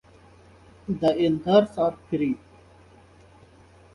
The anthers are free.